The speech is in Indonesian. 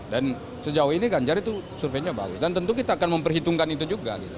dan sejauh ini ganjar itu surveinya bagus dan tentu kita akan memperhitungkan itu juga